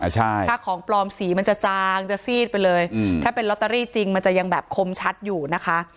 ถ้าของปลอมสีมันจะจางจะซีดไปเลยถ้าเป็นลอตเตอรี่จริงมันจะยังแบบคมชัดอยู่นะคะ